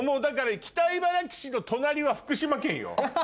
北茨城市の隣は福島県よ。